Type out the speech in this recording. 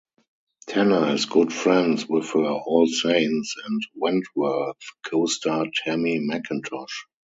Tanner is good friends with her "All Saints" and "Wentworth" co-star Tammy MacIntosh.